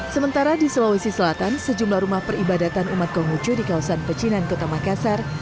sementara di sulawesi selatan sejumlah rumah peribadatan umat konghucu di kawasan pecinan kota makassar